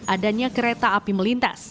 adanya kereta api melintas